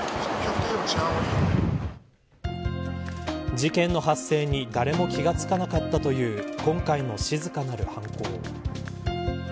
事件の発生に誰も気が付かなかったという今回の静かなる犯行。